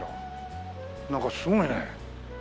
なんかすごいね。